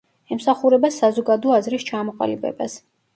ემსახურება საზოგადო აზრის ჩამოყალიბებას.